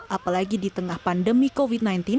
apalagi di tengah pandemi covid sembilan belas